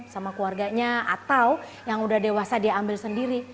sama keluarganya atau yang udah dewasa dia ambil sendiri